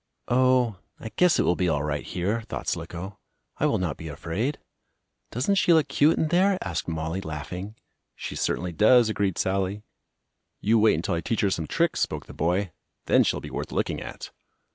"Oh, I guess it will be all right here," thought Slicko. "I will not be afraid." "Doesn't she look cute in there?" asked Mollie, laughing. "She certainly does," agreed Sallie. "You wait until I teach her some tricks," spoke the boy. "Then she'll be worth looking at."